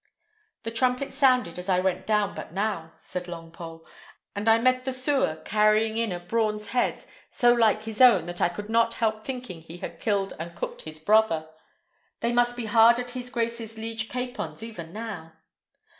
"The trumpet sounded as I went down but now," said Longpole, "and I met the sewer carrying in a brawn's head so like his own, that I could not help thinking he had killed and cooked his brother: they must be hard at his grace's liege capons even now."